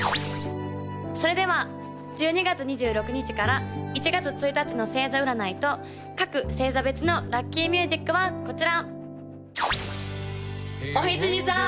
それでは１２月２６日から１月１日の星座占いと各星座別のラッキーミュージックはこちら！